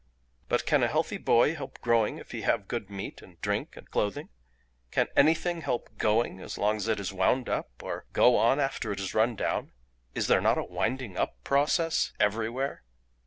But can a healthy boy help growing if he have good meat and drink and clothing? can anything help going as long as it is wound up, or go on after it is run down? Is there not a winding up process everywhere?